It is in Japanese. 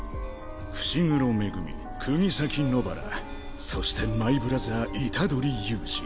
伏黒恵釘崎野薔薇そしてマイブラザー虎杖悠仁